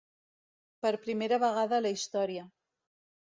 Per primera vegada a la història.